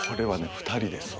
２人ですわ。